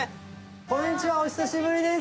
こんにちは、お久しぶりです。